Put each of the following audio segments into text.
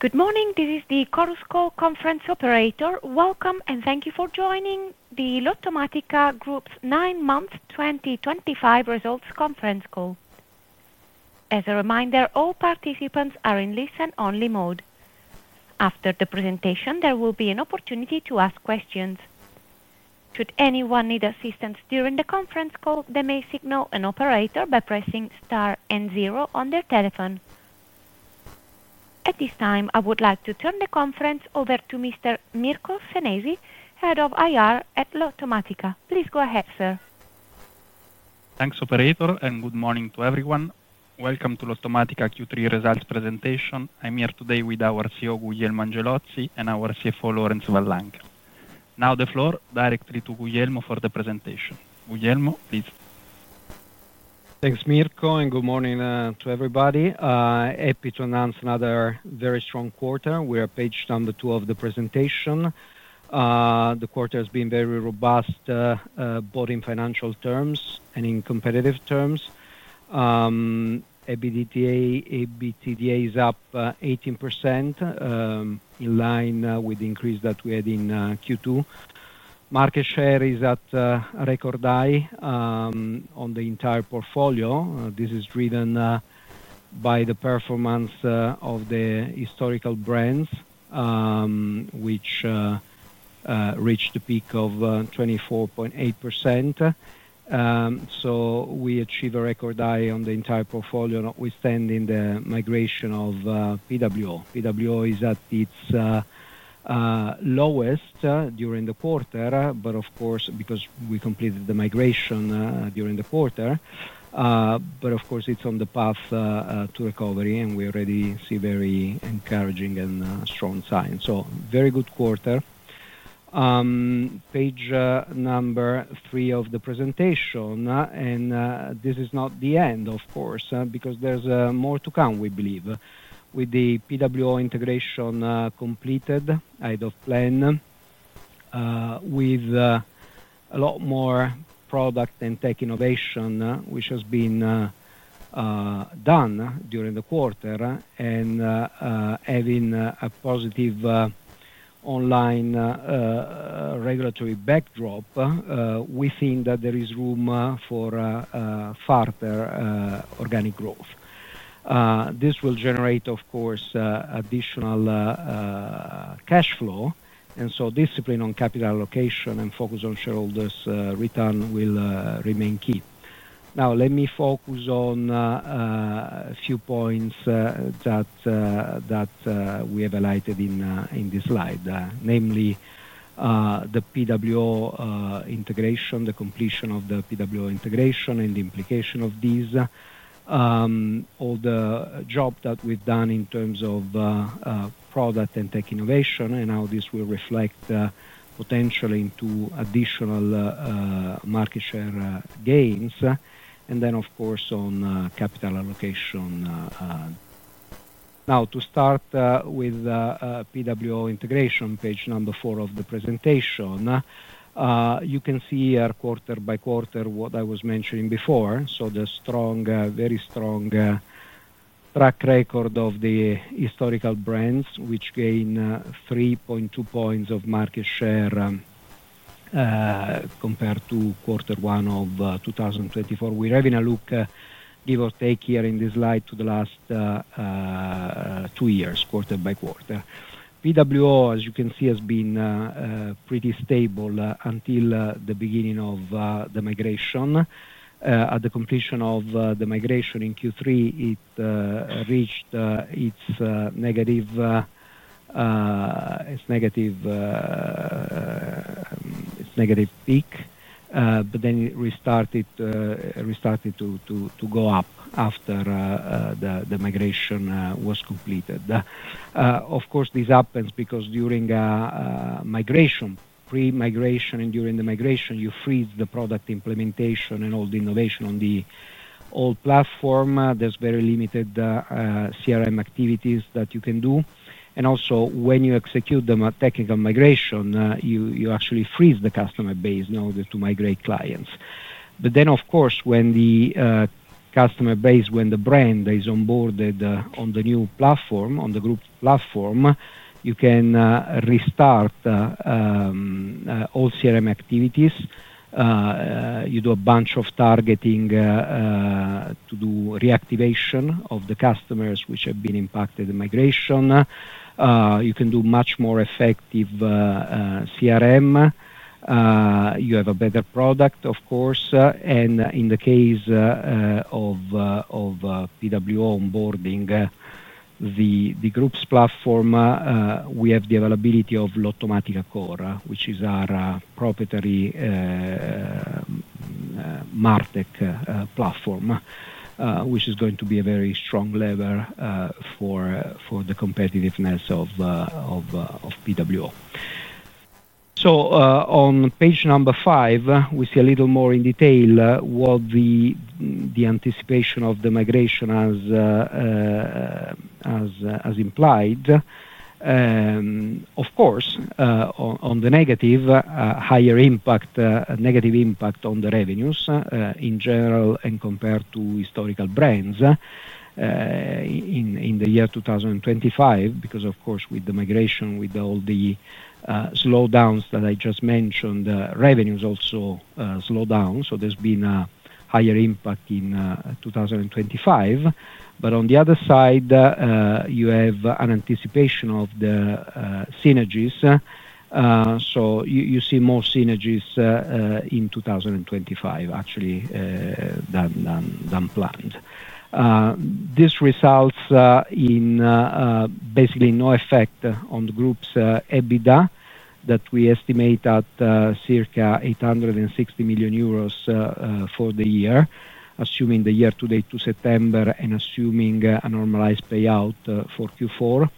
Good morning, this is the CorusCo conference operator. Welcome and thank you for joining the Lottomatica Group's 9 Month 2025 results conference call. As a reminder, all participants are in listen-only mode. After the presentation, there will be an opportunity to ask questions. Should anyone need assistance during the conference call, they may signal an operator by pressing star and zero on their telephone. At this time, I would like to turn the conference over to Mr. Mirko Senesi, Head of IR at Lottomatica. Please go ahead, sir. Thanks, operator, and good morning to everyone. Welcome to Lottomatica Q3 results presentation. I'm here today with our CEO, Guglielmo Angelozzi, and our CFO, Laurence Van Lancker. Now the floor directly to Guglielmo for the presentation. Guglielmo, please. Thanks, Mirko, and good morning to everybody. Happy to announce another very strong quarter. We are paged on the tool of the presentation. The quarter has been very robust, both in financial terms and in competitive terms. EBITDA is up 18%, in line with the increase that we had in Q2. Market share is at record high on the entire portfolio. This is driven by the performance of the historical brands, which reached a peak of 24.8%. We achieved a record high on the entire portfolio, notwithstanding the migration of PWO. PWO is at its lowest during the quarter, but of course, because we completed the migration during the quarter, it is on the path to recovery, and we already see very encouraging and strong signs. Very good quarter. Page number three of the presentation. This is not the end, of course, because there is more to come, we believe, with the PWO integration completed, head of plan, with a lot more product and tech innovation, which has been done during the quarter, and having a positive online regulatory backdrop. We think that there is room for further organic growth. This will generate, of course, additional cash flow, and discipline on capital allocation and focus on shareholders' return will remain key. Now, let me focus on a few points that we have highlighted in this slide, namely the PWO integration, the completion of the PWO integration, and the implication of these. All the jobs that we have done in terms of product and tech innovation, and how this will reflect potentially into additional market share gains, and then, of course, on capital allocation. Now, to start with PWO integration, page number four of the presentation. You can see here quarter-by-quarter what I was mentioning before, the strong, very strong track record of the historical brands, which gained 3.2 percentage points of market share compared to quarter one of 2024. We are having a look, give or take here in this slide, to the last two years, quarter-by-quarter. PWO, as you can see, has been pretty stable until the beginning of the migration. At the completion of the migration in Q3, it reached its negative peak, but then it restarted to go up after the migration was completed. This happens because during migration, pre-migration, and during the migration, you freeze the product implementation and all the innovation on the old platform. There is very limited CRM activities that you can do, and also, when you execute the technical migration, you actually freeze the customer base in order to migrate clients. When the customer base, when the brand is onboarded on the new platform, on the group platform, you can restart all CRM activities. You do a bunch of targeting to do reactivation of the customers which have been impacted in migration. You can do much more effective CRM. You have a better product, of course. And in the case. Of PWO onboarding, the group's platform. We have the availability of Lottomatica Core, which is our proprietary MarTech platform, which is going to be a very strong lever for the competitiveness of PWO. On page number five, we see a little more in detail what the anticipation of the migration has implied. Of course, on the negative, higher impact, negative impact on the revenues in general and compared to historical brands in the year 2025, because, of course, with the migration, with all the slowdowns that I just mentioned, revenues also slowed down. There has been a higher impact in 2025. On the other side, you have an anticipation of the synergies. You see more synergies in 2025, actually, than planned. This results in basically no effect on the group's EBITDA, that we estimate at circa 860 million euros for the year, assuming the year to date to September and assuming a normalized payout for Q4,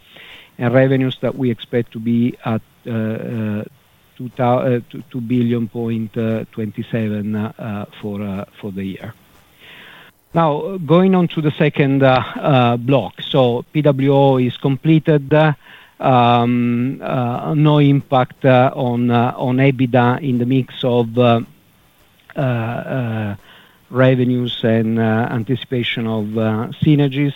and revenues that we expect to be at 2.27 billion for the year. Now, going on to the second block. PWO is completed, no impact on EBITDA in the mix of revenues and anticipation of synergies.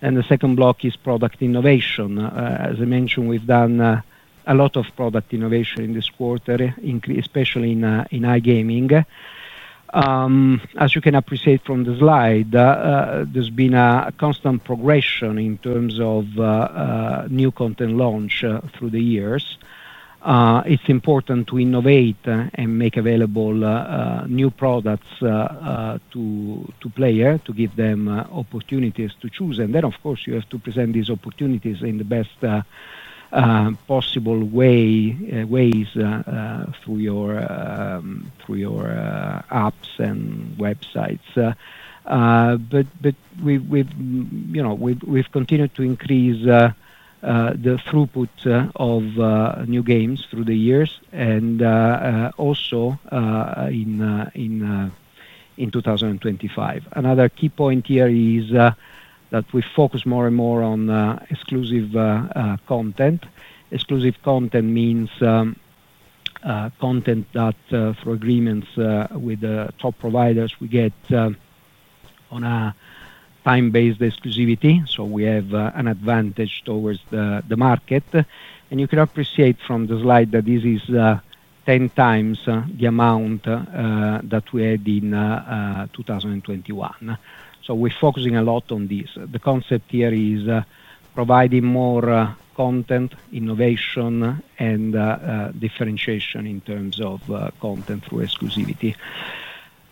The second block is product innovation. As I mentioned, we've done a lot of product innovation in this quarter, especially in iGaming. As you can appreciate from the slide, there has been a constant progression in terms of new content launch through the years. It is important to innovate and make available new products to players to give them opportunities to choose. You have to present these opportunities in the best possible ways through your apps and websites. We've continued to increase the throughput of new games through the years and also in 2025. Another key point here is that we focus more and more on exclusive content. Exclusive content means content that, through agreements with top providers, we get on a time-based exclusivity, so we have an advantage towards the market. You can appreciate from the slide that this is 10x the amount that we had in 2021. We're focusing a lot on this. The concept here is providing more content, innovation, and differentiation in terms of content through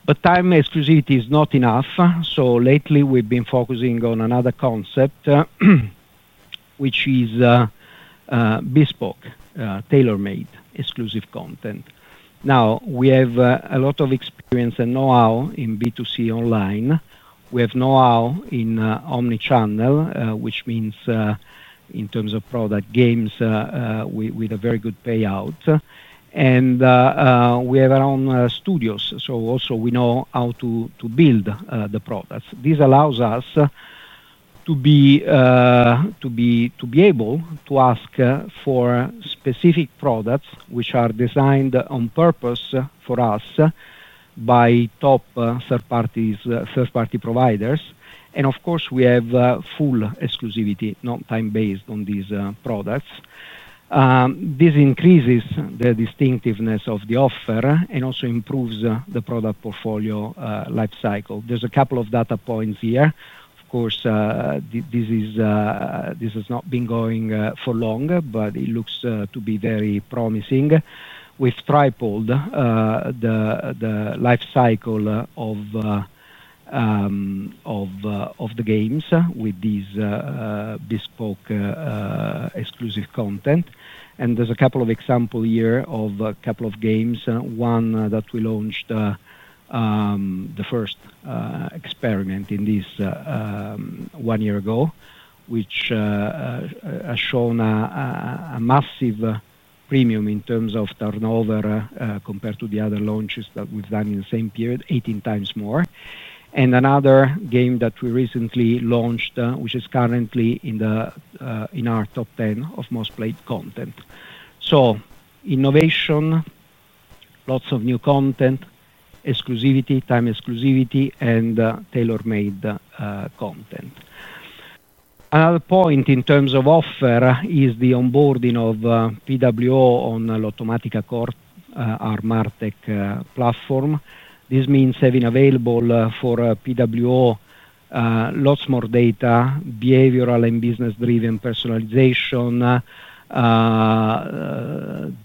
exclusivity. Time exclusivity is not enough. Lately, we've been focusing on another concept, which is bespoke, tailor-made exclusive content. We have a lot of experience and know-how in B2C online. We have know-how in omnichannel, which means in terms of product games with a very good payout. We have our own studios, so also, we know how to build the products. This allows us to be able to ask for specific products which are designed on purpose for us by top third-party providers. We have full exclusivity, not time-based, on these products. This increases the distinctiveness of the offer and also improves the product portfolio lifecycle. There are a couple of data points here, of course. This has not been going for long, but it looks to be very promising. We've tripled the lifecycle of the games with these bespoke, exclusive content. There are a couple of examples here of a couple of games. One that we launched, the first experiment in this, one year ago, which has shown a massive premium in terms of turnover compared to the other launches that we've done in the same period, 18x more. Another game that we recently launched, which is currently in our top 10 of most played content. Innovation, lots of new content, exclusivity, time exclusivity, and tailor-made content. Another point in terms of offer is the onboarding of PWO on Lottomatica Core, our MarTech platform. This means having available for PWO lots more data, behavioral and business-driven personalization,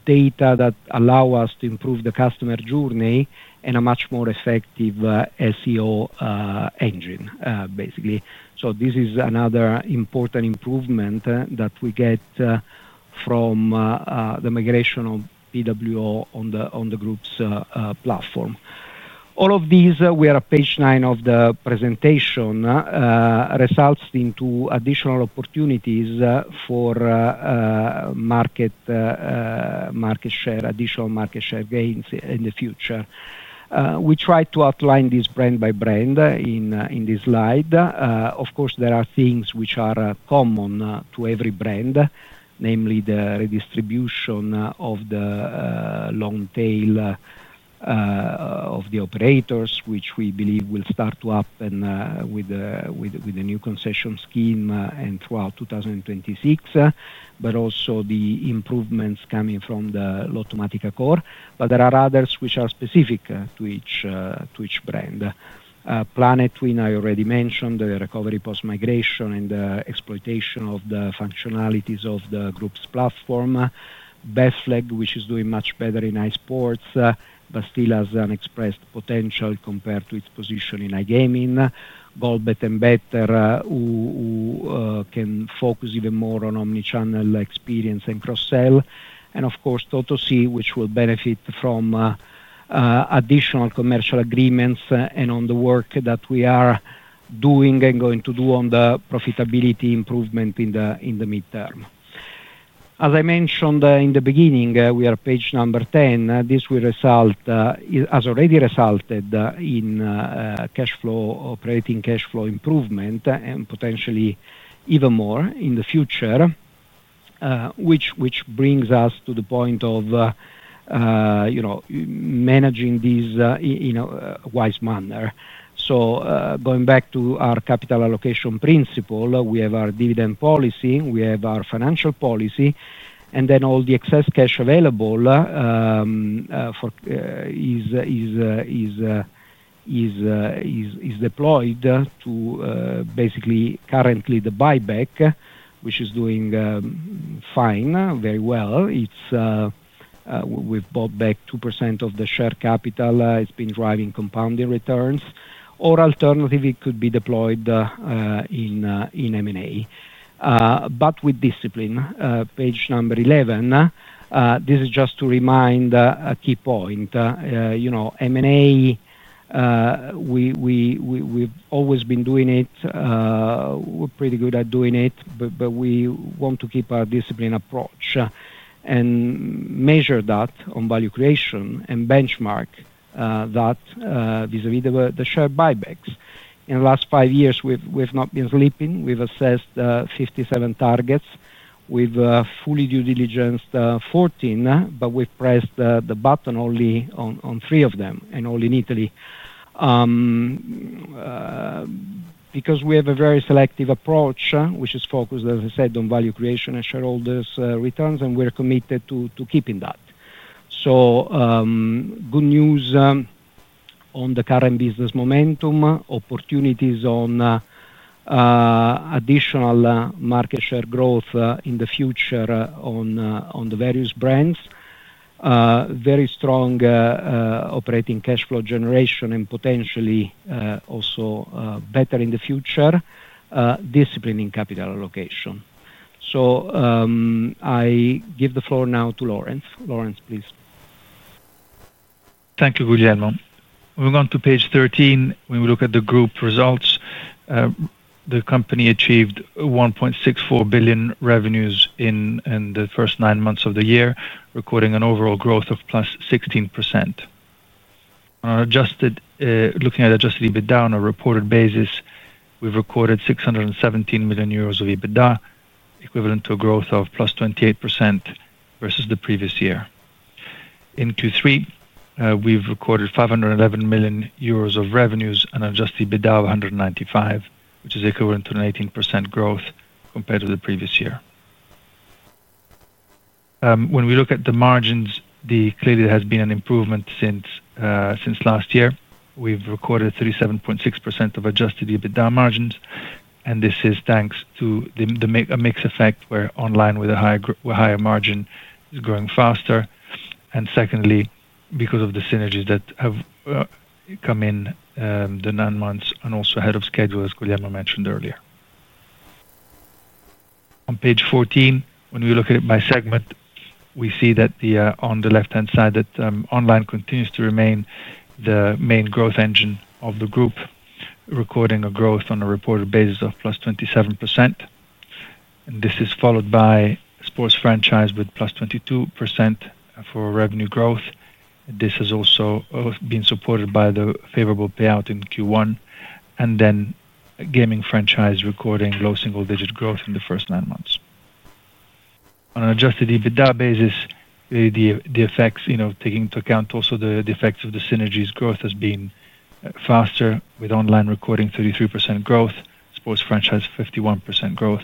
data that allow us to improve the customer journey, and a much more effective SEO engine, basically. This is another important improvement that we get from the migration of PWO on the group's platform. All of these, we are at page nine of the presentation, results into additional opportunities for market share, additional market share gains in the future. We tried to outline this brand by brand in this slide. Of course, there are things which are common to every brand, namely the redistribution of the long tail of the operators, which we believe will start to happen with the new concession scheme and throughout 2026, but also the improvements coming from the Lottomatica Core. There are others which are specific to each brand. Planetwin, I already mentioned, the recovery post-migration and the exploitation of the functionalities of the group's platform. Bestplay, which is doing much better in iSports, but still has unexpressed potential compared to its position in iGaming. GoldBet and Better, who can focus even more on omnichannel experience and cross-sell. Totosì, which will benefit from additional commercial agreements and on the work that we are doing and going to do on the profitability improvement in the midterm. As I mentioned in the beginning, we are page number 10. This will result, has already resulted in operating cash flow improvement and potentially even more in the future, which brings us to the point of managing these in a wise manner. Going back to our capital allocation principle, we have our dividend policy, we have our financial policy, and then all the excess cash available is deployed to basically currently the buyback, which is doing fine, very well. We've bought back 2% of the share capital. It's been driving compounding returns. Alternatively, it could be deployed in M&A, but with discipline. Page number 11. This is just to remind a key point. M&A, we've always been doing it. We're pretty good at doing it, but we want to keep our disciplined approach and measure that on value creation and benchmark that vis-à-vis the share buybacks. In the last five years, we've not been sleeping. We've assessed 57 targets. We've fully due diligenced 14, but we've pressed the button only on three of them and only in Italy. Because we have a very selective approach, which is focused, as I said, on value creation and shareholders' returns, and we're committed to keeping that. Good news. On the current business momentum, opportunities on additional market share growth in the future on the various brands. Very strong operating cash flow generation and potentially also better in the future. Discipline in capital allocation. I give the floor now to Laurence. Laurence, please. Thank you, Guglielmo. Moving on to page 13, when we look at the group results. The company achieved 1.64 billion revenues in the first nine months of the year, recording an overall growth of +16%. Looking at adjusted EBITDA on a reported basis, we've recorded 617 million euros of EBITDA, equivalent to a growth of +28% versus the previous year. In Q3, we've recorded 511 million euros of revenues and adjusted EBITDA of 195, which is equivalent to an 18% growth compared to the previous year. When we look at the margins, clearly, there has been an improvement since last year. We've recorded 37.6% of adjusted EBITDA margins, and this is thanks to a mixed effect where online with a higher margin is growing faster. Secondly, because of the synergies that have come in the nine months and also ahead of schedule, as Guglielmo mentioned earlier. On page 14, when we look at it by segment, we see that on the left-hand side, online continues to remain the main growth engine of the group, recording a growth on a reported basis of +27%. This is followed by sports franchise with +22% for revenue growth. This has also been supported by the favorable payout in Q1. Then gaming franchise recording low single-digit growth in the first nine months. On an adjusted EBITDA basis, taking into account also the effects of the synergies, growth has been faster with online recording 33% growth, sports franchise 51% growth,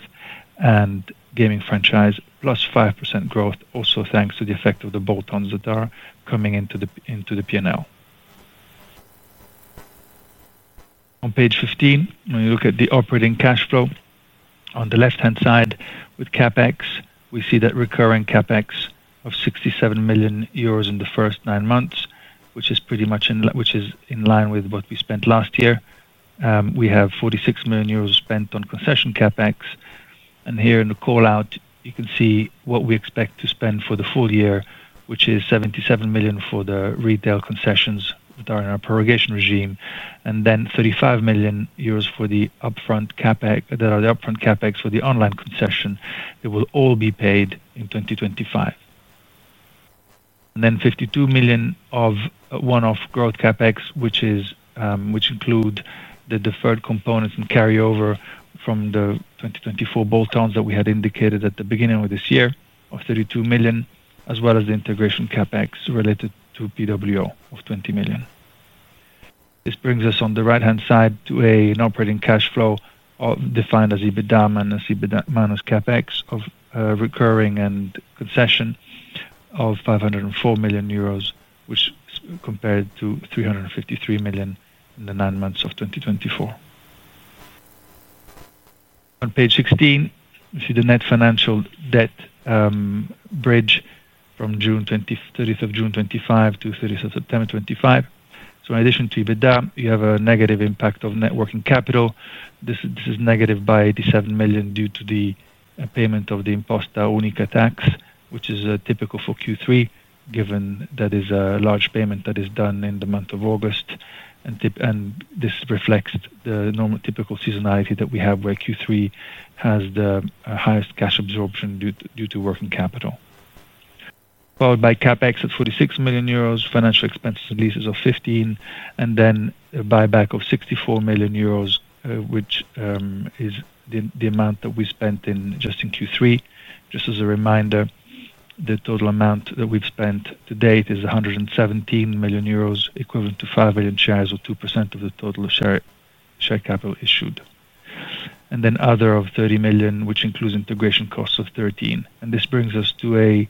and gaming franchise +5% growth, also thanks to the effect of the bolt-ons that are coming into the P&L. On page 15, when we look at the operating cash flow, on the left-hand side with CapEx, we see that recurring CapEx of 67 million euros in the first nine months, which is pretty much in line with what we spent last year. We have 46 million euros spent on concession CapEx. Here in the callout, you can see what we expect to spend for the full year, which is 77 million for the retail concessions that are in our prorogation regime, and then 35 million euros for the upfront CapEx for the online concession. It will all be paid in 2025. Then 52 million of one-off growth CapEx, which. Include the deferred components and carryover from the 2024 bolt-ons that we had indicated at the beginning of this year of 32 million, as well as the integration CapEx related to PWO of 20 million. This brings us on the right-hand side to an operating cash flow defined as EBITDA minus CapEx of recurring and concession of 504 million euros, which is compared to 353 million in the nine months of 2024. On page 16, you see the net financial debt. Bridge from 30th of June 2025 to 30th of September 2025. In addition to EBITDA, you have a negative impact of networking capital. This is negative by 87 million due to the payment of the imposta unica tax, which is typical for Q3, given that is a large payment that is done in the month of August. This reflects the normal typical seasonality that we have where Q3 has the highest cash absorption due to working capital. Followed by CapEx at 46 million euros, financial expenses and leases of 15 million, and then a buyback of 64 million euros, which is the amount that we spent just in Q3. Just as a reminder, the total amount that we've spent to date is 117 million euros, equivalent to 5 million shares or 2% of the total share capital issued. Then other of 30 million, which includes integration costs of 13 million. This brings us to a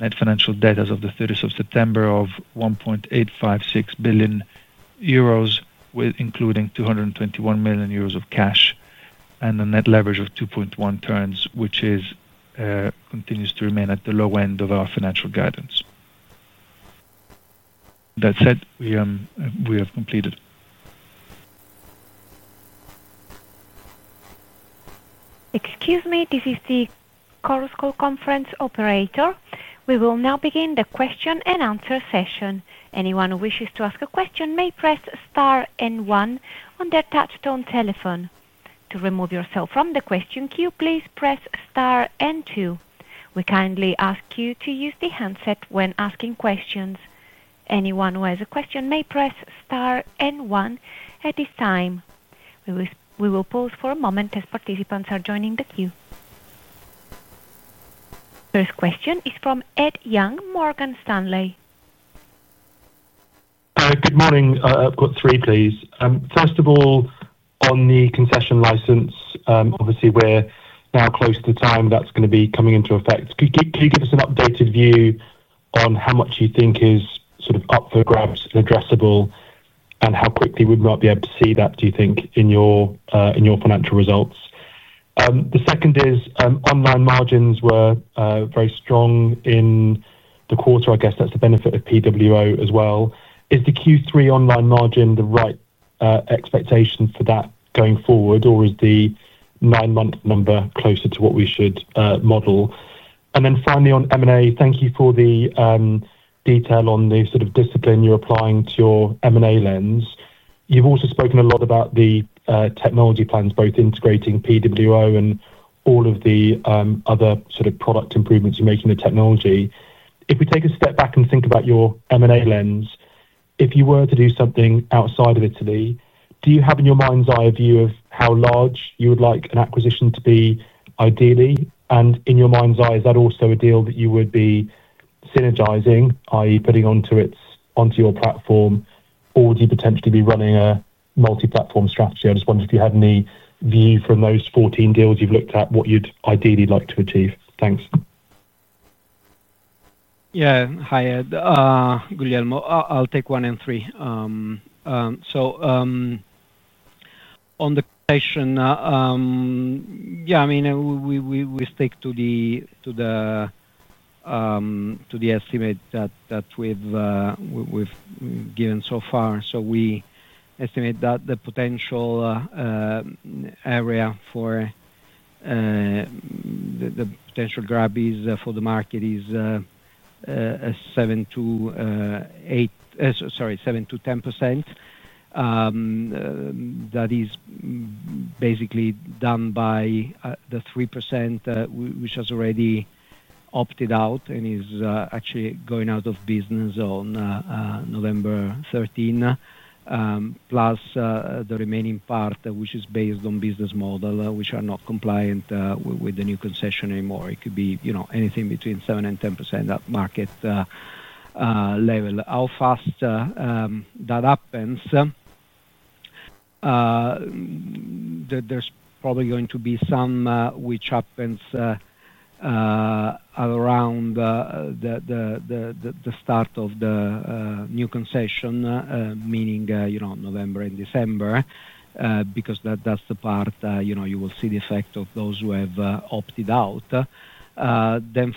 net financial debt as of the 30th of September of 1.856 billion euros, including 221 million euros of cash and a net leverage of 2.1x, which continues to remain at the low end of our financial guidance. That said, we have completed. Excuse me, this is the CorusCo conference operator. We will now begin the question-and-answer session. Anyone who wishes to ask a question may press star and one on their touch-tone telephone. To remove yourself from the question queue, please press star and two. We kindly ask you to use the handset when asking questions. Anyone who has a question may press star and one at this time. We will pause for a moment as participants are joining the queue. First question is from Ed Young, Morgan Stanley. Good morning. I've got three, please. First of all, on the concession license, obviously, we're now close to the time that's going to be coming into effect. Could you give us an updated view on how much you think is sort of up for grabs and addressable, and how quickly we might be able to see that, do you think, in your financial results? The second is online margins were very strong in the quarter. I guess that's the benefit of PWO as well. Is the Q3 online margin the right expectation for that going forward, or is the nine-month number closer to what we should model? And then finally, on M&A, thank you for the detail on the sort of discipline you're applying to your M&A lens. You've also spoken a lot about the technology plans, both integrating PWO and all of the other sort of product improvements you're making to technology. If we take a step back and think about your M&A lens, if you were to do something outside of Italy, do you have in your mind's eye a view of how large you would like an acquisition to be, ideally? And in your mind's eye, is that also a deal that you would be synergizing, i.e., putting onto your platform. Or would you potentially be running a multi-platform strategy? I just wondered if you had any view from those 14 deals you've looked at, what you'd ideally like to achieve. Thanks. Yeah. Hi, Ed. Guglielmo. I'll take one and three. On the question, yeah, I mean, we stick to the estimate that we've given so far. We estimate that the potential area for the potential grab for the market is 7%-10%. That is basically done by the 3% which has already opted out and is actually going out of business on November 13, plus the remaining part, which is based on business models which are not compliant with the new concession anymore. It could be anything between 7%-10% at market level. How fast that happens? There's probably going to be some which happens around the start of the new concession, meaning November and December, because that's the part you will see the effect of those who have opted out.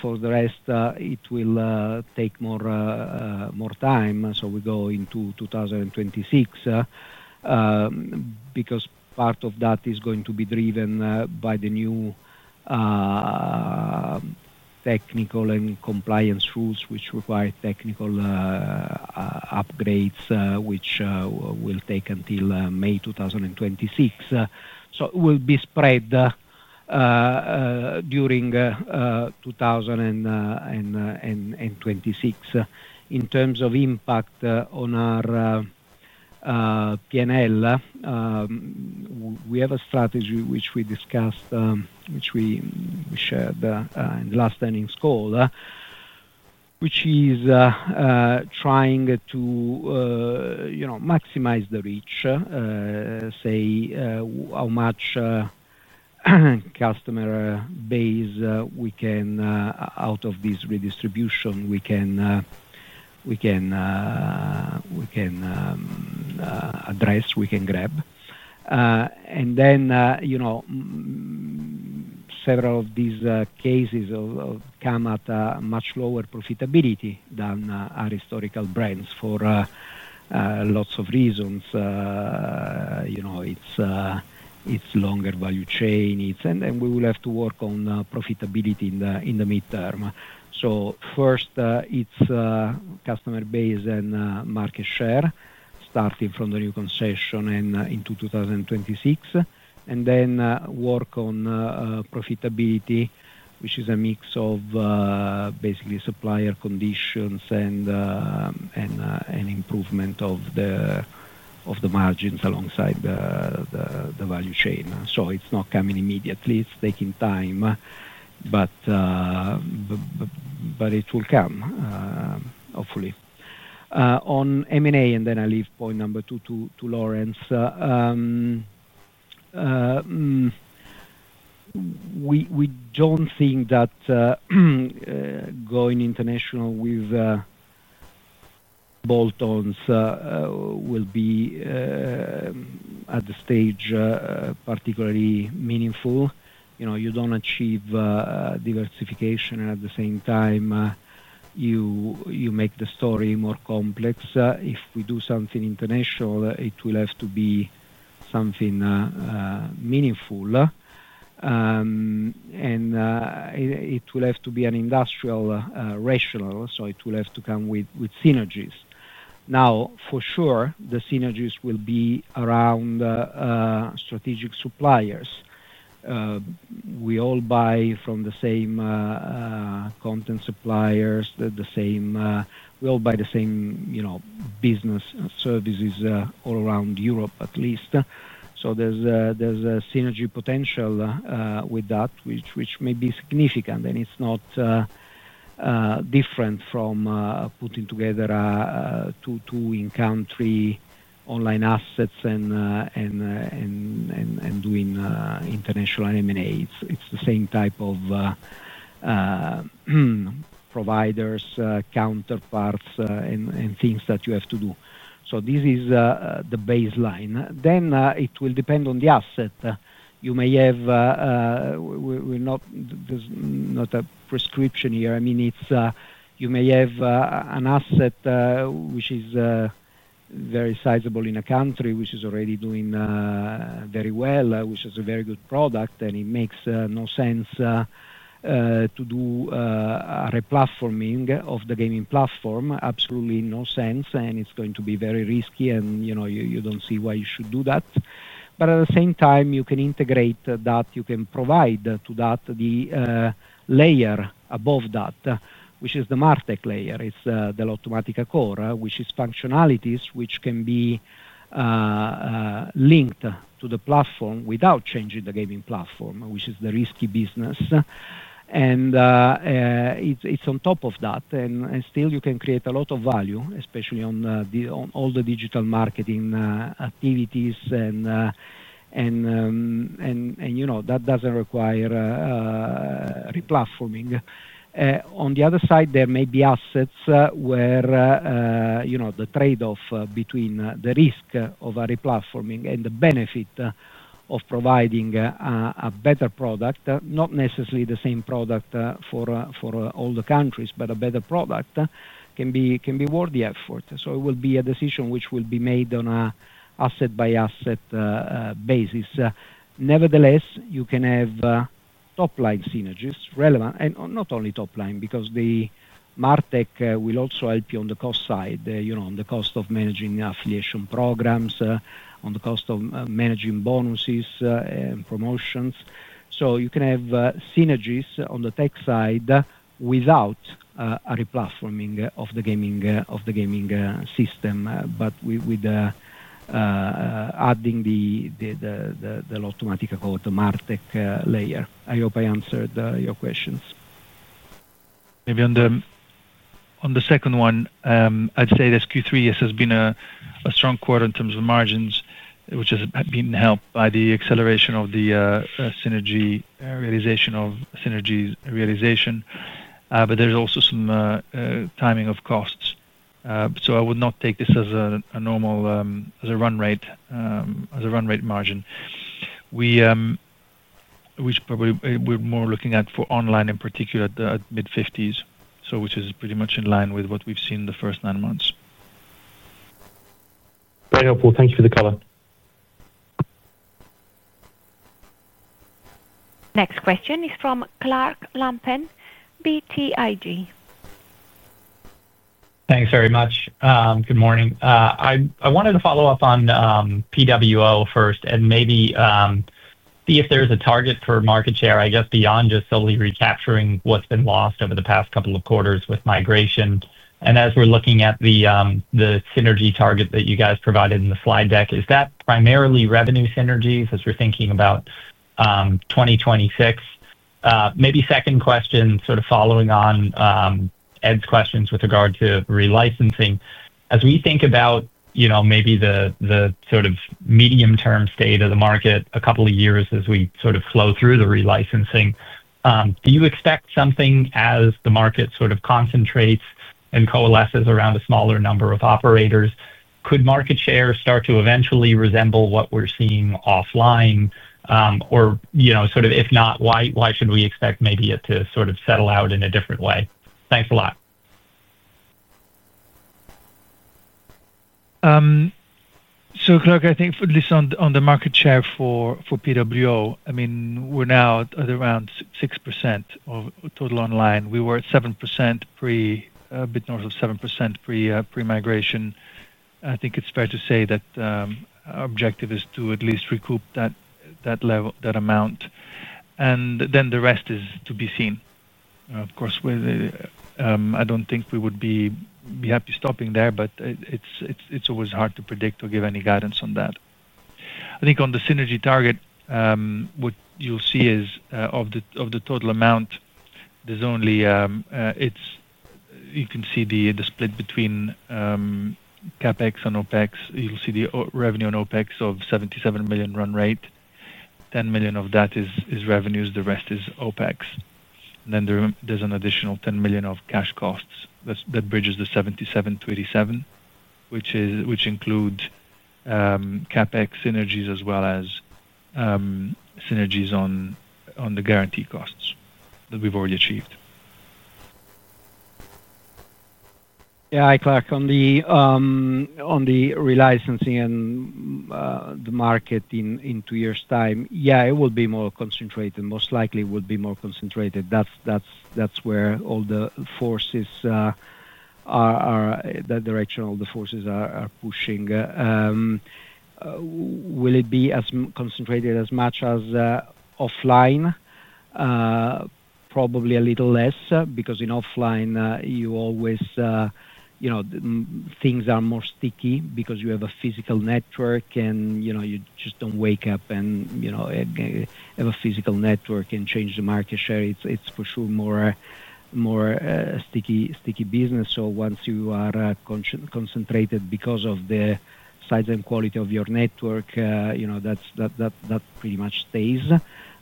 For the rest, it will take more time, so we go into 2026, because part of that is going to be driven by the new technical and compliance rules, which require technical upgrades, which will take until May 2026. It will be spread during 2026. In terms of impact on our P&L, we have a strategy which we discussed, which we shared in the last earnings call, which is trying to maximize the reach, say, how much customer base we can, out of this redistribution, we can address, we can grab. Several of these cases come at a much lower profitability than our historical brands for lots of reasons. It's a longer value chain, and we will have to work on profitability in the midterm. First, it's customer base and market share, starting from the new concession and into 2026, and then work on profitability, which is a mix of basically supplier conditions and improvement of the margins alongside the value chain. It's not coming immediately. It's taking time, but it will come, hopefully. On M&A, and then I'll leave point number two to Laurence. We don't think that going international with bolt-ons will be at this stage particularly meaningful. You don't achieve diversification, and at the same time, you make the story more complex. If we do something international, it will have to be something meaningful, and it will have to be an industrial rationale. It will have to come with synergies. For sure, the synergies will be around strategic suppliers. We all buy from the same content suppliers, the same, we all buy the same business services all around Europe, at least. There's a synergy potential with that, which may be significant. It's not different from putting together two in-country online assets and doing international M&A. It's the same type of providers, counterparts, and things that you have to do. This is the baseline. Then it will depend on the asset you may have. There's not a prescription here. You may have an asset which is very sizable in a country, which is already doing. Very well, which is a very good product, and it makes no sense to do replatforming of the gaming platform. Absolutely no sense, and it is going to be very risky, and you do not see why you should do that. At the same time, you can integrate that. You can provide to that the layer above that, which is the MarTech layer. It is the Lottomatica Core, which is functionalities which can be linked to the platform without changing the gaming platform, which is the risky business. It is on top of that. Still, you can create a lot of value, especially on all the digital marketing activities. That does not require replatforming. On the other side, there may be assets where the trade-off between the risk of a replatforming and the benefit of providing a better product, not necessarily the same product for all the countries, but a better product, can be worth the effort. It will be a decision which will be made on an asset-by-asset basis. Nevertheless, you can have top-line synergies relevant, and not only top-line, because the MarTech will also help you on the cost side, on the cost of managing affiliation programs, on the cost of managing bonuses and promotions. You can have synergies on the tech side without a replatforming of the gaming system, but with adding the Lottomatica Core MarTech layer. I hope I answered your questions. Maybe on the second one, I'd say this Q3 has been a strong quarter in terms of margins, which has been helped by the acceleration of the realization of synergy realization. There's also some timing of costs. I would not take this as a normal run rate, as a run rate margin. We were more looking at for online in particular at mid-50%, which is pretty much in line with what we've seen in the first nine months. Very helpful. Thank you for the color. Next question is from Clark Lampen, BTIG. Thanks very much. Good morning. I wanted to follow up on PWO first and maybe see if there's a target for market share, I guess, beyond just solely recapturing what's been lost over the past couple of quarters with migration. As we're looking at the synergy target that you guys provided in the slide deck, is that primarily revenue synergies, as we're thinking about 2026? Maybe second question, sort of following on Ed's questions with regard to relicensing. As we think about maybe the sort of medium-term state of the market a couple of years as we sort of flow through the relicensing, do you expect something as the market sort of concentrates and coalesces around a smaller number of operators? Could market share start to eventually resemble what we're seeing offline? Or, if not, why should we expect maybe it to sort of settle out in a different way? Thanks a lot. Clark, I think at least on the market share for PWO, I mean, we're now at around 6% of total online. We were at 7%, a bit north of 7% pre-migration. I think it's fair to say that. Our objective is to at least recoup that amount, and then the rest is to be seen. Of course, I don't think we would be happy stopping there, but it's always hard to predict or give any guidance on that. I think on the synergy target, what you'll see is of the total amount, there's only—you can see the split between CapEx and OpEx. You'll see the revenue on OpEx of 77 million run rate. 10 million of that is revenues, the rest is OpEx. And then there's an additional 10 million of cash costs that bridges the 77-87, which include CapEx synergies as well as synergies on the guarantee costs that we've already achieved. Yeah. Hi, Clark. On the relicensing and the market in two years' time, yeah, it will be more concentrated. Most likely, it will be more concentrated. That's where all the forces, that direction, all the forces are pushing. Will it be as concentrated as much as offline? Probably a little less, because in offline, you always, things are more sticky because you have a physical network, and you just don't wake up and have a physical network and change the market share. It's for sure more sticky business. So once you are concentrated because of the size and quality of your network, that pretty much stays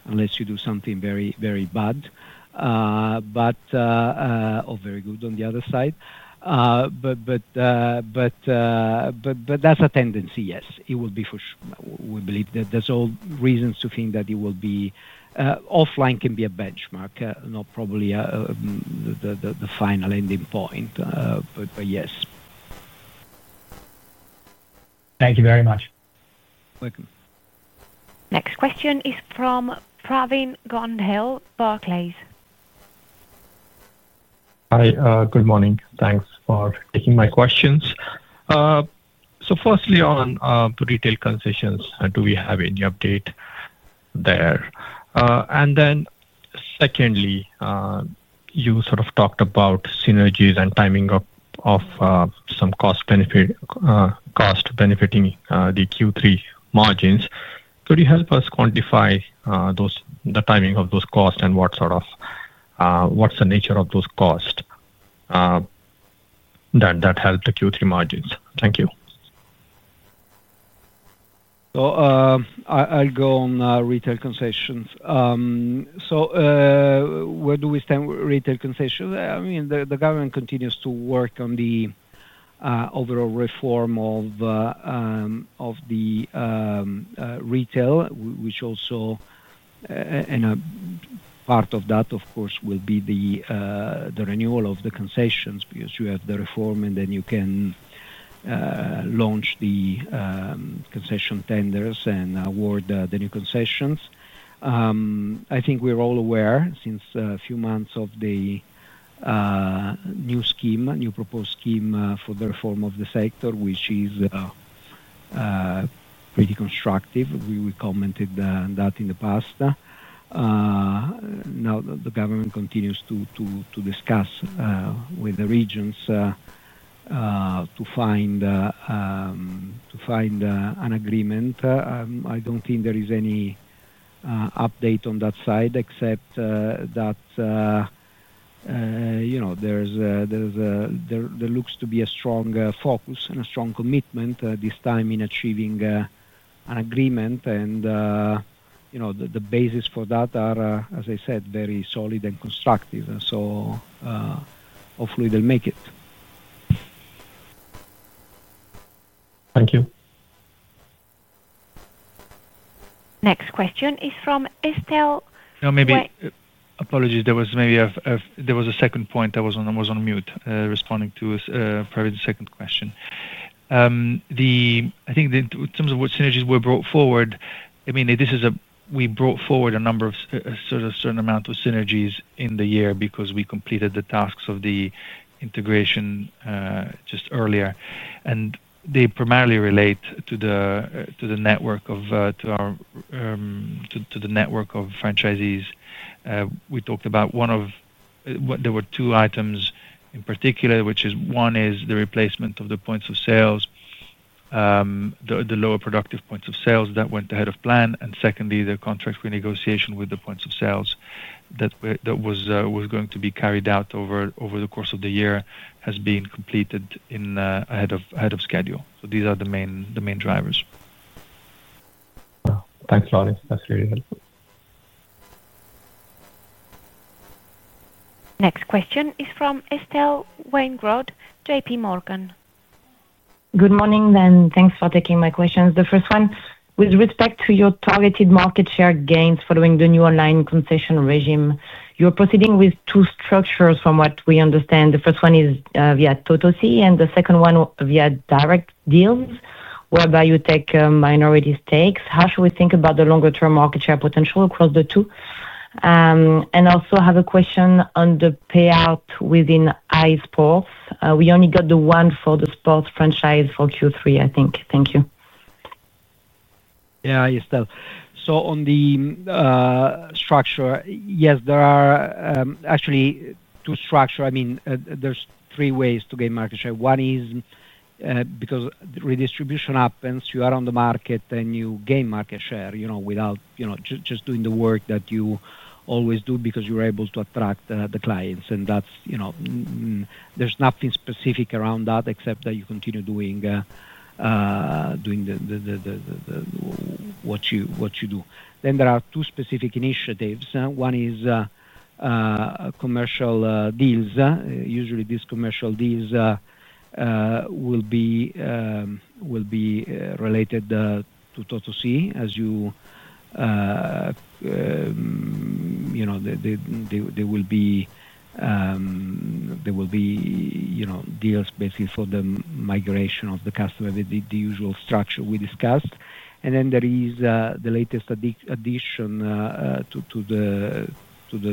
unless you do something very, very bad or very good on the other side. But that's a tendency, yes. It will be for sure. We believe that there's all reasons to think that it will be. Offline can be a benchmark, not probably the final ending point. But yes. Thank you very much. You're welcome. Next question is from Praveen Gondhale, Barclays. Hi. Good morning. Thanks for taking my questions. Firstly, on the retail concessions, do we have any update there? Secondly, you sort of talked about synergies and timing of some cost-benefiting the Q3 margins. Could you help us quantify the timing of those costs and what's the nature of those costs that help the Q3 margins? Thank you. I'll go on retail concessions. Where do we stand with retail concessions? I mean, the government continues to work on the overall reform of the retail, which also, and a part of that, of course, will be the renewal of the concessions because you have the reform, and then you can launch the concession tenders and award the new concessions. I think we're all aware since a few months of the new scheme, new proposed scheme for the reform of the sector, which is pretty constructive. We commented on that in the past. Now, the government continues to discuss with the regions to find an agreement. I don't think there is any update on that side except that there looks to be a strong focus and a strong commitment this time in achieving an agreement. The basis for that are, as I said, very solid and constructive. Hopefully, they'll make it. Thank you. Next question is from Estelle. Maybe. Apologies. There was maybe a second point. I was on mute responding to Praveen's second question. I think in terms of what synergies were brought forward, I mean, we brought forward a certain amount of synergies in the year because we completed the tasks of the integration just earlier. They primarily relate to the network of franchisees. We talked about one of, there were two items in particular, which is one is the replacement of the points of sales, the lower productive points of sales that went ahead of plan. Secondly, the contract renegotiation with the points of sales that was going to be carried out over the course of the year has been completed ahead of schedule. These are the main drivers. Thanks, Laurence. That's really helpful. Next question is from Estelle Weingrod, JPMorgan. Good morning. Thanks for taking my questions. The first one, with respect to your targeted market share gains following the new online concession regime, you're proceeding with two structures from what we understand. The first one is via Totosì, and the second one via direct deals, whereby you take minority stakes. How should we think about the longer-term market share potential across the two? I also have a question on the payout within iSports. We only got the one for the sports franchise for Q3, I think. Thank you. Yeah, Estelle. On the structure, yes, there are actually two structures. I mean, there are three ways to gain market share. One is because redistribution happens, you are on the market, and you gain market share just doing the work that you always do because you're able to attract the clients. There's nothing specific around that except that you continue doing what you do. Then there are two specific initiatives. One is commercial deals. Usually, these commercial deals will be related to Totosì. As you, they will be deals basically for the migration of the customer, the usual structure we discussed. Then there is the latest addition to the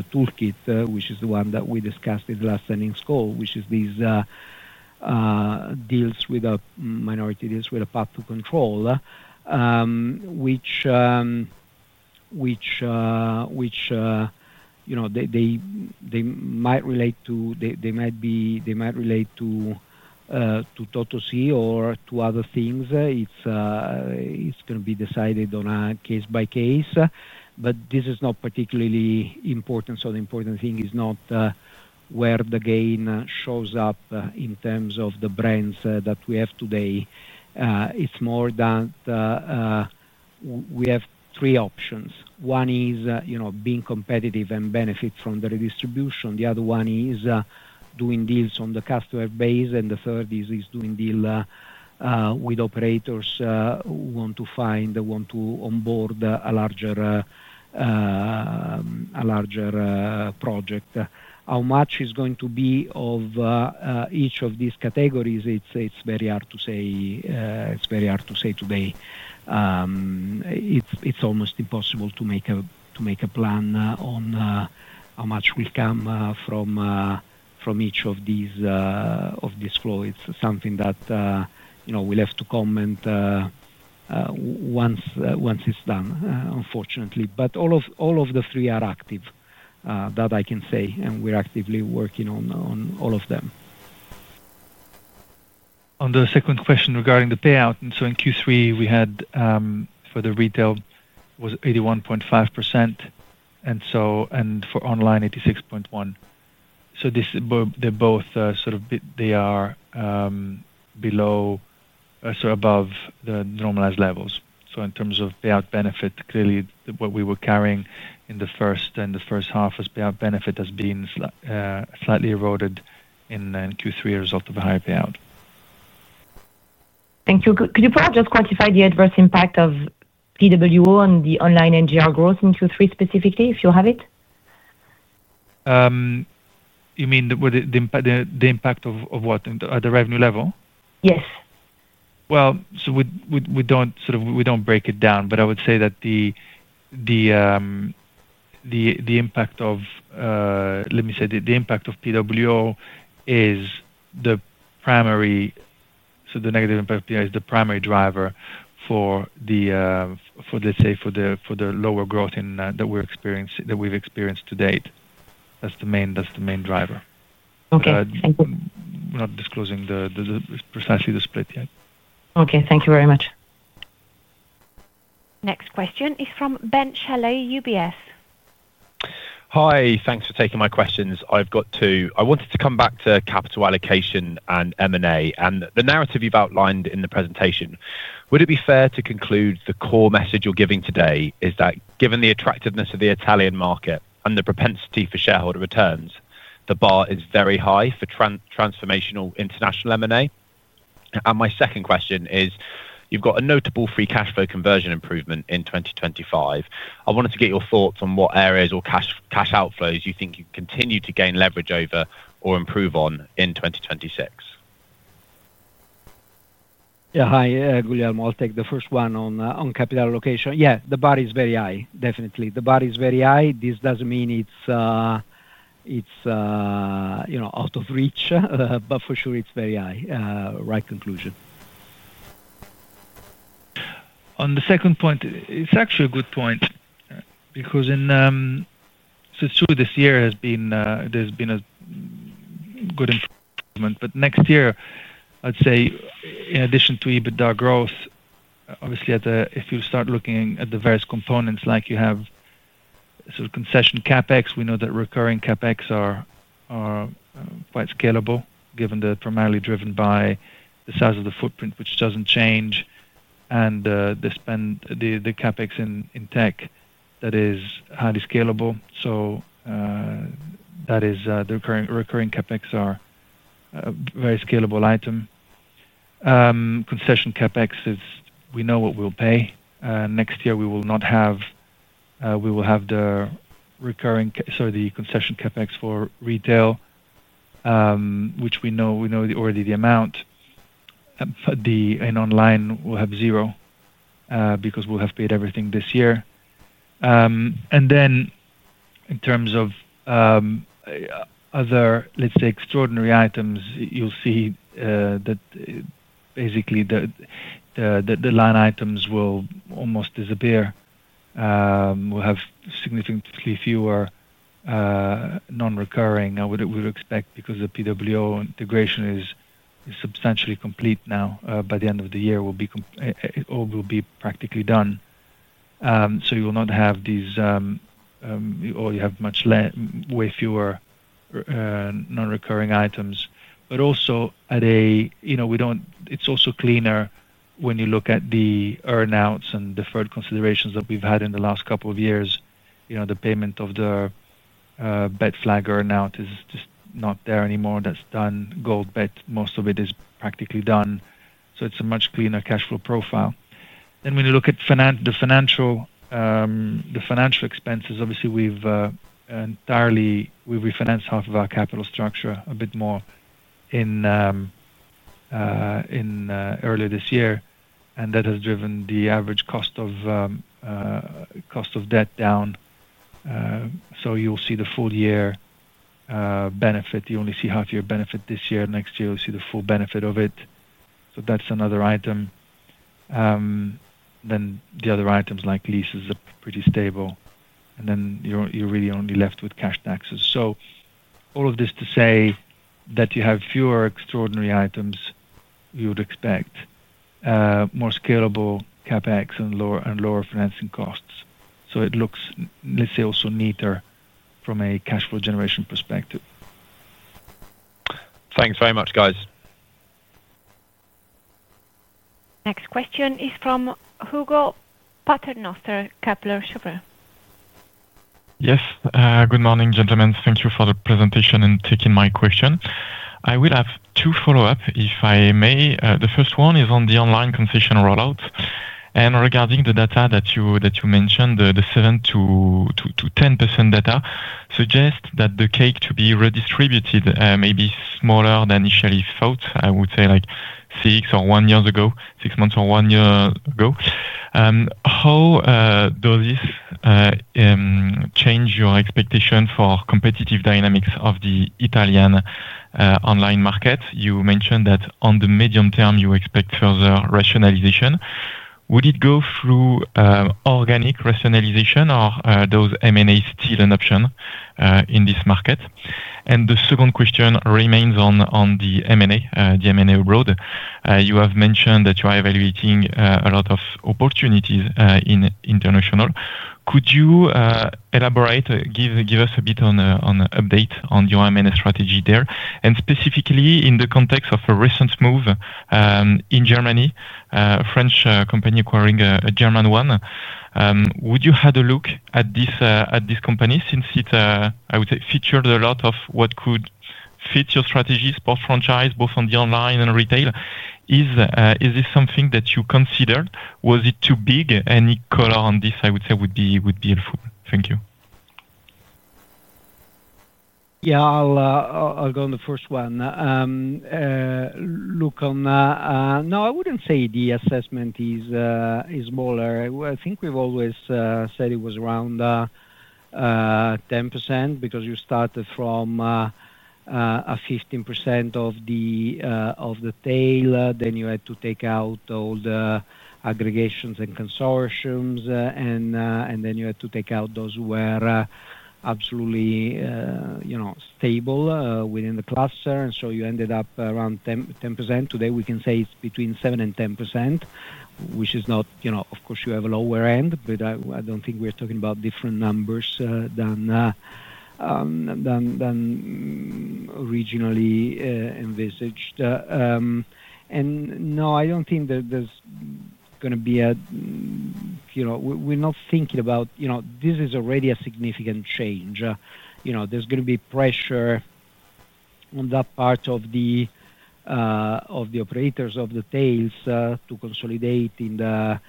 toolkit, which is the one that we discussed in the last signing school, which is these deals with minority deals with a path to control. They might relate to Totosì or to other things. It's going to be decided on a case-by-case basis, but this is not particularly important. The important thing is not where the gain shows up in terms of the brands that we have today. It's more that we have three options. One is being competitive and benefit from the redistribution. The other one is doing deals on the customer base. The third is doing deals with operators who want to find, want to onboard a larger project. How much is going to be of each of these categories, it's very hard to say. It's very hard to say today. It's almost impossible to make a plan on how much will come from each of these flows. It's something that we'll have to comment once it's done, unfortunately. All of the three are active, that I can say. We're actively working on all of them. On the second question regarding the payout, in Q3, we had, for the retail, it was 81.5%. And for online, 86.1%. They are both sort of, they are below or above the normalized levels. In terms of payout benefit, clearly, what we were carrying in the first half as payout benefit has been slightly eroded in Q3 as a result of a higher payout. Thank you. Could you perhaps just quantify the adverse impact of PWO on the online NGR growth in Q3 specifically, if you have it? You mean the impact of what? At the revenue level? Yes. We do not sort of, we do not break it down, but I would say that the impact of, let me say, the impact of PWO is the primary. The negative impact of PWO is the primary driver for, let's say, for the lower growth that we have experienced to date. That is the main driver. Okay. Thank you. We're not disclosing precisely the split yet. Okay. Thank you very much. Next question is from Ben Shelley, UBS. Hi. Thanks for taking my questions. I've got two. I wanted to come back to capital allocation and M&A. The narrative you've outlined in the presentation, would it be fair to conclude the core message you're giving today is that given the attractiveness of the Italian market and the propensity for shareholder returns, the bar is very high for transformational international M&A? My second question is, you've got a notable free cash flow conversion improvement in 2025. I wanted to get your thoughts on what areas or cash outflows you think you can continue to gain leverage over or improve on in 2026. Yeah. Hi. Guglielmo, the first one on capital allocation. Yeah. The bar is very high, definitely. The bar is very high. This doesn't mean it's out of reach, but for sure, it's very high. Right conclusion. On the second point, it's actually a good point. Because. Through this year, there's been a good improvement. Next year, I'd say, in addition to EBITDA growth, obviously, if you start looking at the various components like you have sort of concession CapEx, we know that recurring CapEx are quite scalable given they're primarily driven by the size of the footprint, which doesn't change. The CapEx in tech that is highly scalable. That is, the recurring CapEx are a very scalable item. Concession CapEx, we know what we'll pay. Next year, we will not have. We will have the recurring, sorry, the concession CapEx for retail, which we know already the amount. Online, we'll have zero because we'll have paid everything this year. In terms of other, let's say, extraordinary items, you'll see that basically the line items will almost disappear. We'll have significantly fewer non-recurring. We would expect because the PWO integration is substantially complete now. By the end of the year, we'll be practically done. You will not have these, or you have way fewer non-recurring items. It's also cleaner when you look at the earnouts and deferred considerations that we've had in the last couple of years. The payment of the Betflag earnout is just not there anymore. That's done. GoldBet, most of it is practically done. It's a much cleaner cash flow profile. When you look at the financial expenses, obviously, we've refinanced half of our capital structure, a bit more, earlier this year. That has driven the average cost of debt down. You'll see the full year benefit. You only see half-year benefit this year. Next year, you'll see the full benefit of it. That's another item. The other items like leases are pretty stable. You're really only left with cash taxes. All of this to say that you have fewer extraordinary items you would expect, more scalable CapEx, and lower financing costs. It looks, let's say, also neater from a cash flow generation perspective. Thanks very much, guys. Next question is from Hugo Paternoster, Kepler Cheuvreux. Yes. Good morning, gentlemen. Thank you for the presentation and taking my question. I will have two follow-ups, if I may. The first one is on the online concession rollout. And regarding the data that you mentioned, the 7%-10% data suggests that the cake to be redistributed may be smaller than initially thought, I would say, like six months or one year ago. How does this change your expectation for competitive dynamics of the Italian online market? You mentioned that on the medium term, you expect further rationalization. Would it go through organic rationalization, or are those M&As still an option in this market? The second question remains on the M&A, the M&A abroad. You have mentioned that you are evaluating a lot of opportunities in international. Could you elaborate, give us a bit of an update on your M&A strategy there? Specifically, in the context of a recent move in Germany, a French company acquiring a German one. Would you have a look at this company since it, I would say, featured a lot of what could fit your strategy, sports franchise, both on the online and retail? Is this something that you considered? Was it too big? Any color on this, I would say, would be helpful. Thank you. Yeah. I'll go on the first one. Look, no, I wouldn't say the assessment is smaller. I think we've always said it was around 10% because you started from a 15% of the tail. Then you had to take out all the aggregations and consortiums. Then you had to take out those who were absolutely stable within the cluster. So you ended up around 10%. Today, we can say it's between 7%-10%, which is not, of course, you have a lower end, but I don't think we're talking about different numbers than originally envisaged. No, I don't think that there's going to be a, we're not thinking about this as already a significant change. There's going to be pressure on that part of the operators, of the tails to consolidate in the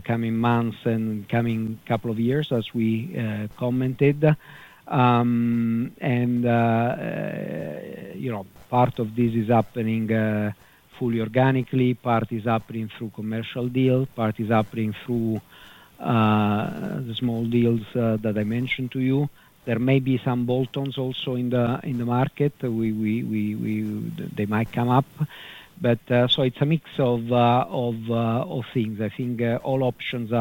coming months and coming couple of years, as we commented. Part of this is happening fully organically. Part is happening through commercial deals. Part is happening through the small deals that I mentioned to you. There may be some bolt-ons also in the market. They might come up. So it's a mix of things. I think all options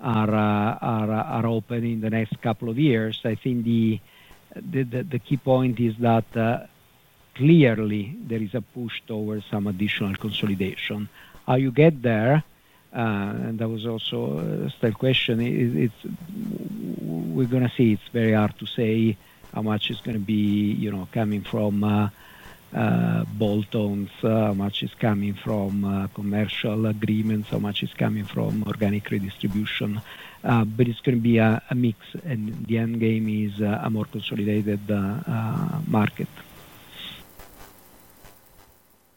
are open in the next couple of years. I think the key point is that clearly, there is a push towards some additional consolidation. How you get there, that was also a question. We're going to see. It's very hard to say how much is going to be coming from bolt-ons, how much is coming from commercial agreements, how much is coming from organic redistribution. It's going to be a mix. The end game is a more consolidated market.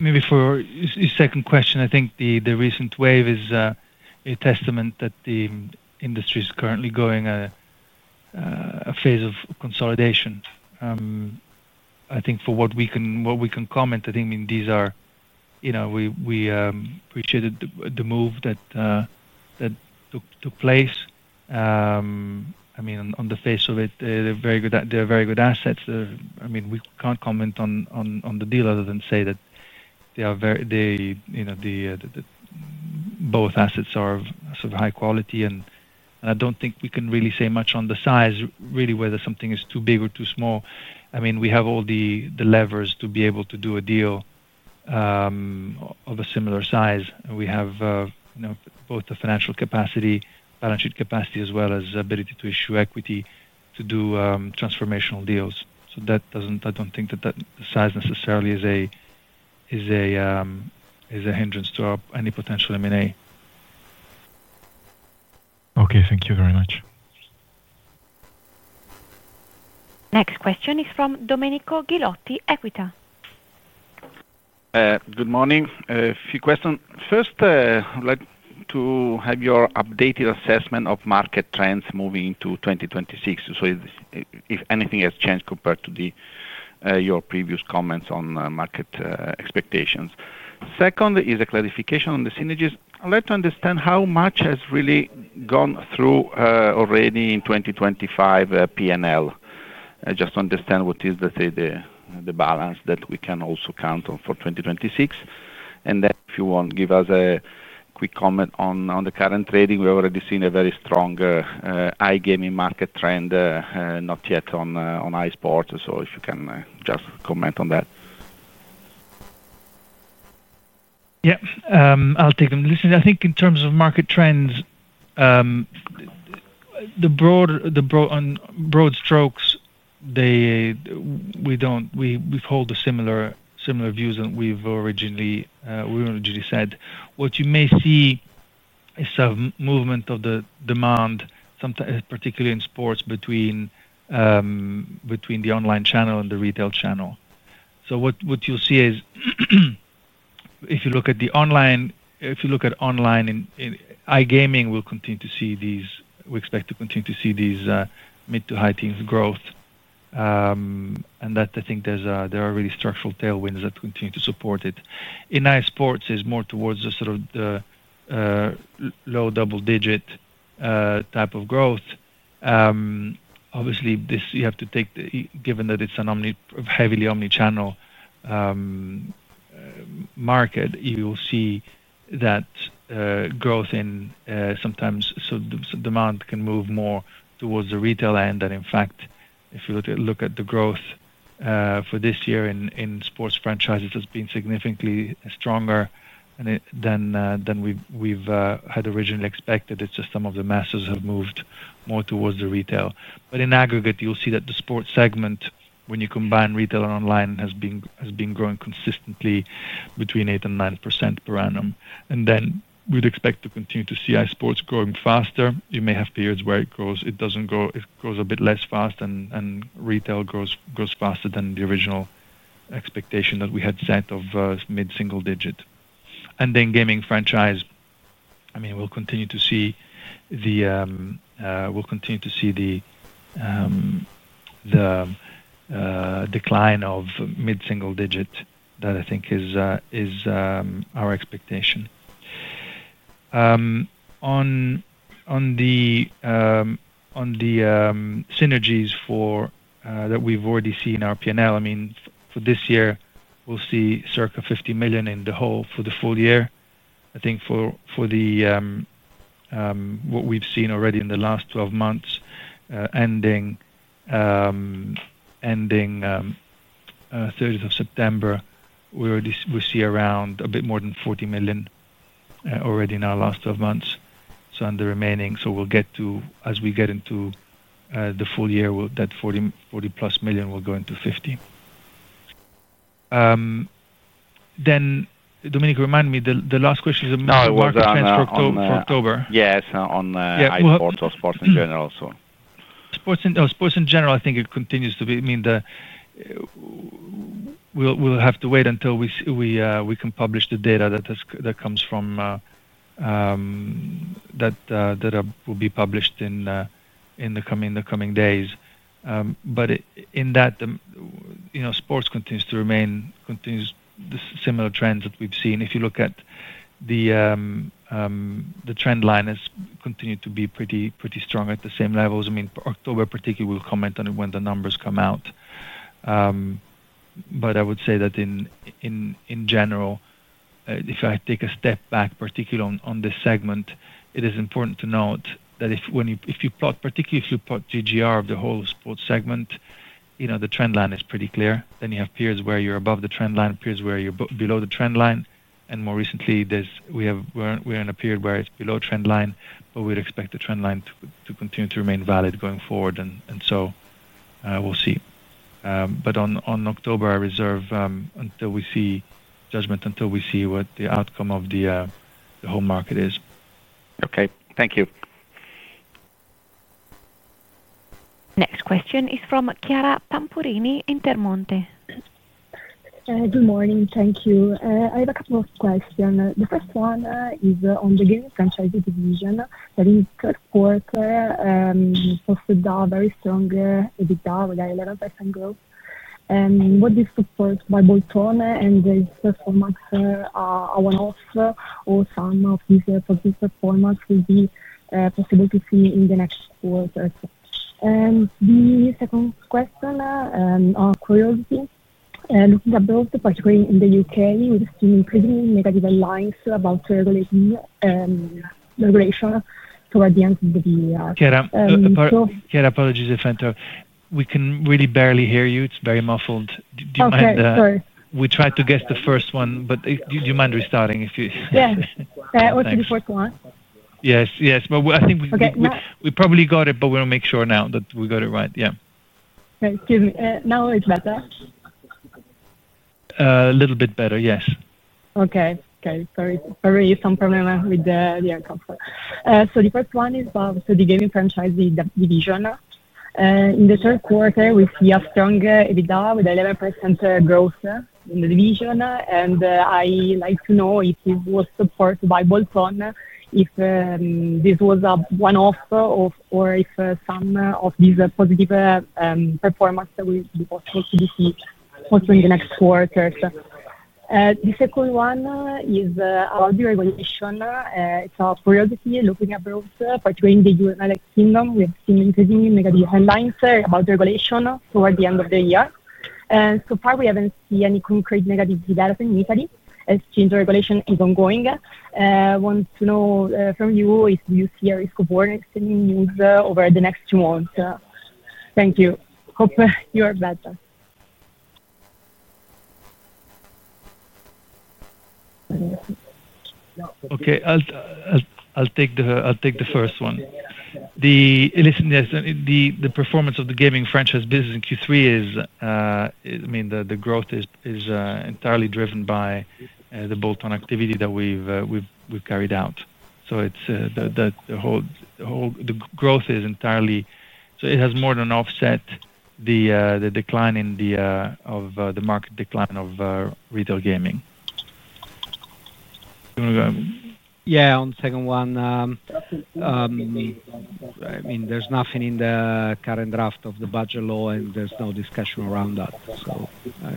Maybe for your second question, I think the recent wave is a testament that the industry is currently going through a phase of consolidation. I think for what we can comment, I think these are—we appreciate the move that took place. I mean, on the face of it, they're very good assets. I mean, we can't comment on the deal other than say that they are—both assets are sort of high quality. I don't think we can really say much on the size, really, whether something is too big or too small. I mean, we have all the levers to be able to do a deal of a similar size. We have both the financial capacity, balance sheet capacity, as well as ability to issue equity to do transformational deals. I don't think that the size necessarily is a hindrance to any potential M&A. Okay. Thank you very much. Next question is from Domenico Ghilotti, Equita. Good morning. A few questions. First, I'd like to have your updated assessment of market trends moving into 2026, so if anything has changed compared to your previous comments on market expectations. Second is a clarification on the synergies. I'd like to understand how much has really gone through already in 2025 P&L. I just want to understand what is, let's say, the balance that we can also count on for 2026. If you want, give us a quick comment on the current trading. We've already seen a very strong high gaming market trend, not yet on iSports. If you can just comment on that. Yeah. I'll take this. Listen, I think in terms of market trends. The broad strokes. We've held similar views than we originally said. What you may see is some movement of the demand, particularly in sports, between the online channel and the retail channel. What you'll see is, if you look at online, if you look at online, in iGaming, we'll continue to see these, we expect to continue to see these mid to high teens growth. I think there are really structural tailwinds that continue to support it. In iSports, it's more towards sort of the low double-digit type of growth. Obviously, you have to take, given that it's a heavily omnichannel market, you will see that growth in sometimes, so demand can move more towards the retail end. In fact, if you look at the growth for this year in sports franchises, it has been significantly stronger than we've had originally expected. It's just some of the masses have moved more towards the retail. In aggregate, you'll see that the sports segment, when you combine retail and online, has been growing consistently between 8%-9% per annum. We expect to continue to see iSports growing faster. You may have periods where it grows, it doesn't grow, it grows a bit less fast, and retail grows faster than the original expectation that we had set of mid-single digit. Gaming franchise, I mean, we'll continue to see the decline of mid-single digit that I think is our expectation. On the synergies that we've already seen in our P&L, I mean, for this year, we'll see circa 50 million in the whole for the full year. What we've seen already in the last 12 months, ending 30th of September, we see around a bit more than 40 million already in our last 12 months. In the remaining, as we get into the full year, that 40 million+ will go into 50 million. Domenico, remind me, the last question is a market trend for October. Yeah. It's on iSports or sports in general, so. Sports in general, I think it continues to be, I mean, we'll have to wait until we can publish the data that comes from, that will be published in the coming days. In that, sports continues to remain similar trends that we've seen. If you look at the trend line, it's continued to be pretty strong at the same levels. I mean, October particularly, we'll comment on it when the numbers come out. I would say that in general, if I take a step back, particularly on this segment, it is important to note that if you plot, particularly if you plot GGR of the whole sports segment, the trend line is pretty clear. You have periods where you're above the trend line, periods where you're below the trend line. More recently, we're in a period where it's below trend line, but we'd expect the trend line to continue to remain valid going forward. We'll see. On October, I reserve until we see judgment, until we see what the outcome of the whole market is. Okay. Thank you. Next question is from Chiara Pampurini Intermonte. Good morning. Thank you. I have a couple of questions. The first one is on the gaming franchise division. I think sports posted a very strong EBITDA, like 11% growth. What is supported by bolt-on and its performance, or one-off, or some of these performances will be possible to see in the next quarter? The second question, on curiosity, looking at both, particularly in the U.K., we have seen increasingly negative lines about regulation toward the end of the year. Chiara, apologies if I interrupt. We can really barely hear you. It's very muffled. Okay. Sorry. We tried to guess the first one, but do you mind restarting if you? Yeah. What's the first one? Yes. Yes. I think we probably got it, but we want to make sure now that we got it right. Yeah. Excuse me. Now it's better? A little bit better. Yes. Okay. Sorry, some problem with the earphones. The first one is about the gaming franchise division. In the third quarter, we see a strong EBITDA with 11% growth in the division. I'd like to know if it was supported by bolt-on, if this was a one-off, or if some of these positive performances will be possible to be seen also in the next quarter. The second one is about the regulation. It's a curiosity looking at growth, particularly in the U.S. and United Kingdom. We've seen increasingly negative headlines about regulation toward the end of the year. So far, we haven't seen any concrete negative development in Italy as change regulation is ongoing. I want to know from you if you see a risk of worse news over the next two months. Thank you. Hope you hear better. Okay. I'll take the first one. Listen, the performance of the gaming franchise business in Q3 is, I mean, the growth is entirely driven by the bolt-on activity that we've carried out. The growth is entirely, so it has more than offset the decline of the market, decline of retail gaming. You want to go? Yeah. On the second one. I mean, there's nothing in the current draft of the budget law, and there's no discussion around that.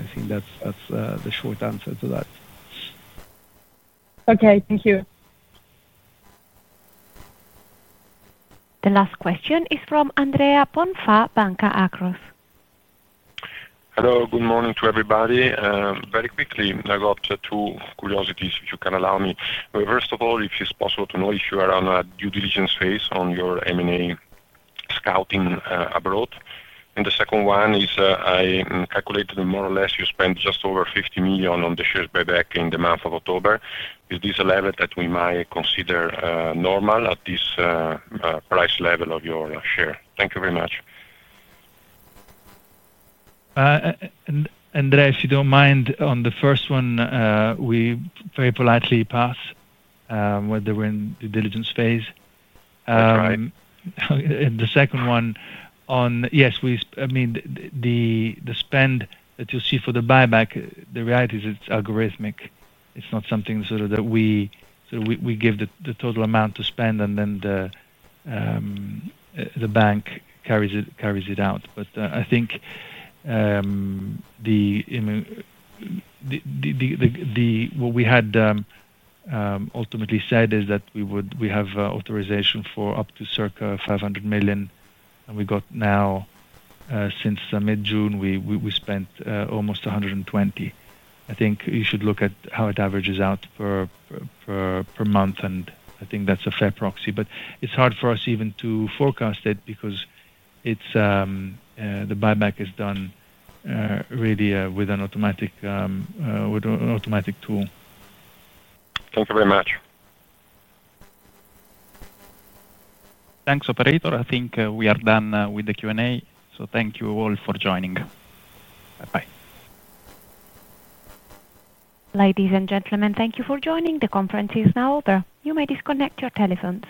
I think that's the short answer to that. Okay. Thank you. The last question is from Andrea Bonfà, Banca Akros. Hello. Good morning to everybody. Very quickly, I got two curiosities, if you can allow me. First of all, if it's possible to know if you are on a due diligence phase on your M&A scouting abroad. The second one is I calculated more or less you spent just over 50 million on the shares buyback in the month of October. Is this a level that we might consider normal at this price level of your share? Thank you very much. Andrea, if you don't mind, on the first one, we very politely pass. Whether we're in due diligence phase. That's right. The second one on yes, I mean, the spend that you see for the buyback, the reality is it's algorithmic. It's not something sort of that we give the total amount to spend, and then the bank carries it out. I think what we had ultimately said is that we have authorization for up to 500 million. We got now, since mid-June, we spent almost 120 million. I think you should look at how it averages out per month, and I think that's a fair proxy. It's hard for us even to forecast it because the buyback is done really with an automatic tool. Thank you very much. Thanks, Operator. I think we are done with the Q&A. Thank you all for joining. Bye-bye. Ladies and gentlemen, thank you for joining. The conference is now over. You may disconnect your telephones.